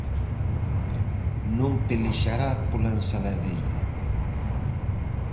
Non pelexará pola ensaladeira.